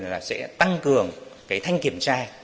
là sẽ tăng cường cái thanh kiểm tra